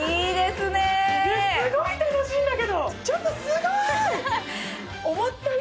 すごい楽しいんだけど。